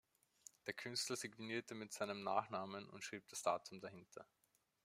Der Künstler signierte mit seinem Nachnamen und schrieb das Datum dahinter.